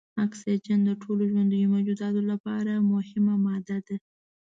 اکسیجن د ټولو ژوندیو موجوداتو لپاره مهمه ماده ده.